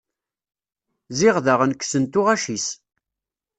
Ziɣ dayen kksen tuɣac-is.